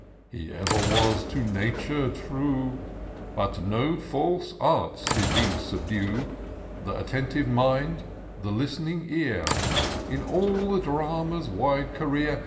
He ever was to Nature true ;— By no false arts did he subdue Th' attentive mind, the listening ear; In all the Drama's wide career.